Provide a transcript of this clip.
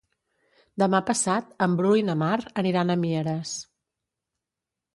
Demà passat en Bru i na Mar aniran a Mieres.